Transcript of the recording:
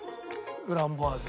フランボワーズ。